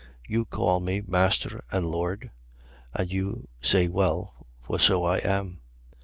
13:13. You call me Master and Lord. And you say well: for so I am.